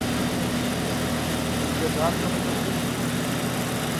Си лэжьапщӏэр къызэфтыж!